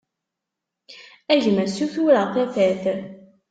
A gma ssutureγ tafat.